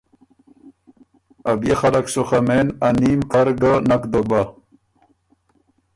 ا بيې خلق سُو خه مېن ا نیم کر ګۀ نک دوک بۀ